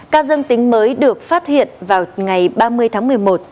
ca dương tính mới được phát hiện vào ngày ba mươi tháng một mươi một